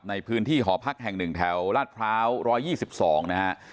ในพื้นที่หอพักแห่ง๑แถวลาดพร้าว๑๒๒นะฮะ